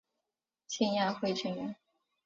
兴亚会成员。